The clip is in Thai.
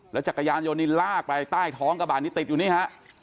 จักรยานยนต์นี้ลากไปใต้ท้องกระบาดนี้ติดอยู่นี่ฮะ